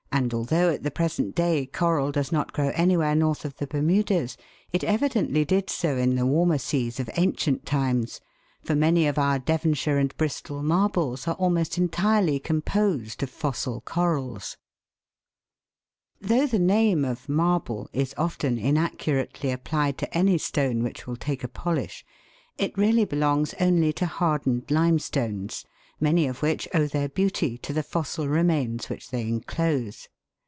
although at the present day coral does not grow anywhere north of the Bermudas, it evidently did so in the warmer seas of ancient times, for many of our Devonshire and Bristol marbles are almost entirely composed of fossil corals. 142 THE WORLD'S LUMBER ROOM. Though the name of " marble," is often inaccurately ap plied to any stone which will take a polish, it really belongs only to hardened limestones, many of which owe their beauty to the fossil remains which they enclose.